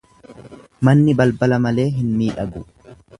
Manni balbala malee hin miidhagu.